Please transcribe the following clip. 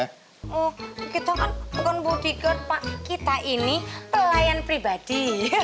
oh kita kan bukan bodyguard pak kita ini pelayan pribadi